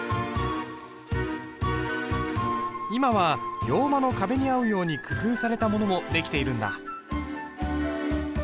今は洋間の壁に合うように工夫されたものも出来ているんだ。